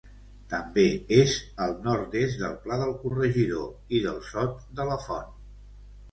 També és al nord-est del Pla del Corregidor i del Sot de la Font.